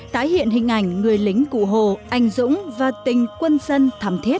tái hiện hình ảnh người lính cụ hồ anh dũng và tình quân dân thầm thiết